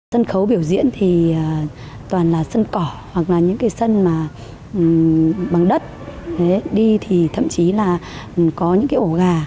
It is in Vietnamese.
sân khấu biểu diễn thì toàn là sân cỏ hoặc là những cái sân mà bằng đất đi thì thậm chí là có những cái ổ gà